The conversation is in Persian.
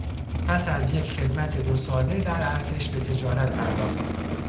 پس از یک خدمت دو ساله در ارتش به تجارت پرداخت.